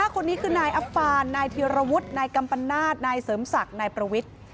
คนนี้คือนายอับฟานนายธีรวุฒินายกัมปนาศนายเสริมศักดิ์นายประวิทธิ์